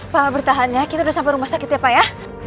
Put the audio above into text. pak bertahan ya kita udah sampai rumah sakit ya pak ya